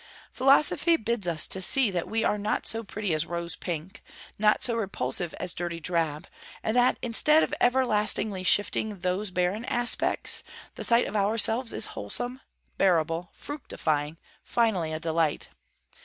Philosophy bids us to see that we are not so pretty as rose pink, not so repulsive as dirty drab; and that instead of everlastingly shifting those barren aspects, the sight of ourselves is wholesome, bearable, fructifying, finally a delight.